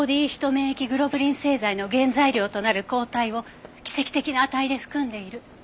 免疫グロブリン製剤の原材料となる抗体を奇跡的な値で含んでいる。